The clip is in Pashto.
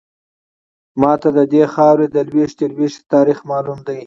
ماته ددې خاورې د لویشتې لویشتې تاریخ معلوم دی.